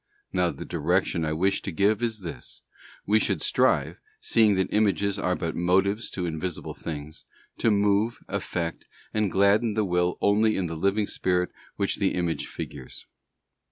Now the direction I wish to give is this: we should strive, seeing that images are but motives to invisible things, to move, affect, and gladden the will only in the living spirit which the image figures.